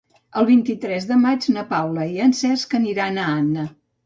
El vint-i-tres de maig na Paula i en Cesc aniran a Anna.